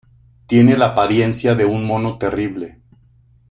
Tiene la apariencia de un mono terrible.